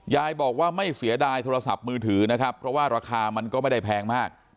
ยายบอกว่าไม่เสียดายโทรศัพท์มือถือนะครับเพราะว่าราคามันก็ไม่ได้แพงมาก